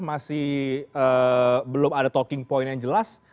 masih belum ada talking point yang jelas